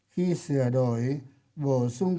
khi sửa đổi bổ sung